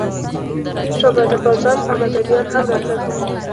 شعبده بازان او مداریان هم راتلل.